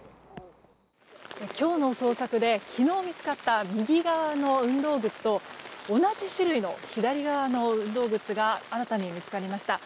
今日の捜索で昨日見つかった右側の運動靴と同じ種類の左側の運動靴が新たに見つかりました。